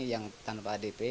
yang tanpa adp